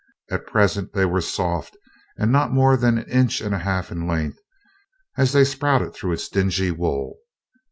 At present they were soft and not more than an inch and a half in length as they sprouted through its dingy wool.